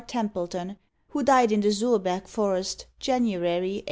TEMPLETON, WHO DIED IN THE ZUURBERG FOREST, JANUARY 1886.